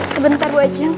sebentar bu ajun